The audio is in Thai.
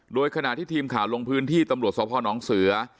โดยขณะที่ทีมข่าวลงพื้นที่ตำรวจสพนเสือ